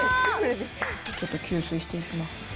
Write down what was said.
ちょっと吸水していきます。